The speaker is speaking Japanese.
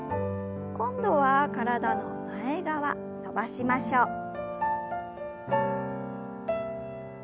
今度は体の前側伸ばしましょう。